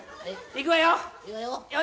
いくわよ！